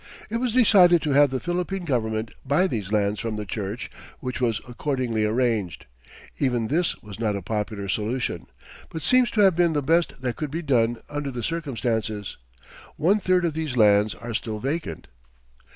It was decided to have the Philippine Government buy these lands from the Church, which was accordingly arranged. Even this was not a popular solution, but seems to have been the best that could be done under the circumstances. One third of these lands are still vacant.